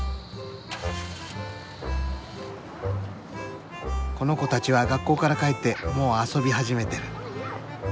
この子たちは学校から帰ってもう遊び始めてる。